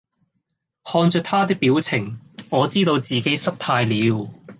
看著他的表情，我知道自己失態了！